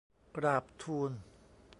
กราบทูล